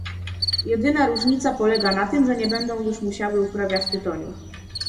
Jedyna różnica polega na tym, że nie będą już musiały uprawiać tytoniu